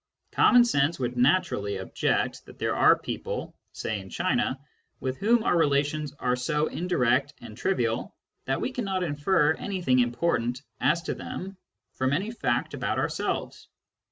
Common sense would naturally object that there are people — say in China — with whom our relations are so indirect and trivial that we cannot infer anything important as to them from any fact about ourselves.